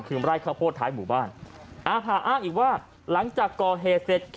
คือไล่ข้าวโพดท้ายหมู่บ้านอภาอ้าอ้างอีกว่าหลังจากก่อเห